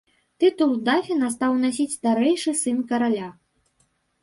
Тытул дафіна стаў насіць старэйшы сын караля.